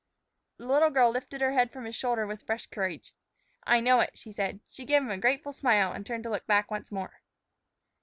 The little girl lifted her head from his shoulder with fresh courage. "I know it," she said. She gave him a grateful smile, and turned to look back once more.